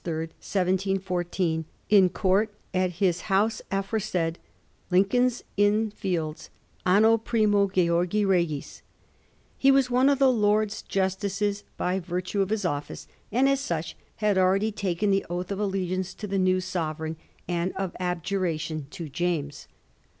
65 Chancellor on August 3, 1714, *in Court at his house aforesaid, Lincoln's Inn Fields, Anno Primo^ Gwrgii Regis J He was one of the Lords Justices by virtue of his office, and, as such, had already taken the oath of allegiance to the new sovereign and of abjuration to James.